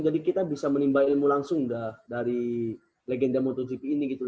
jadi kita bisa menimba ilmu langsung dari legenda motogp ini gitu